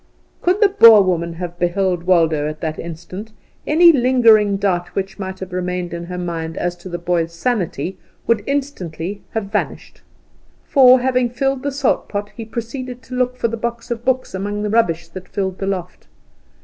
Could the Boer woman have beheld Waldo at that instant, any lingering doubt which might have remained in her mind as to the boy's insanity would instantly have vanished. For, having filled the salt pot, he proceeded to look for the box of books among the rubbish that filled the loft.